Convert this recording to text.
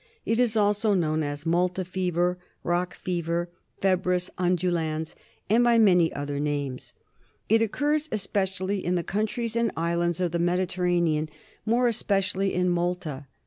It is also known as Malta Fever, Rock Fever, Febris undulans, and by many other names. It occurs especially in the countries and islands of the Mediterranean, more espe DIAGNOSIS OF MEDITERRANEAN FEVER. 169 cially in Malta.